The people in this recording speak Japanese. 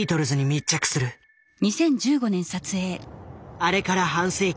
あれから半世紀。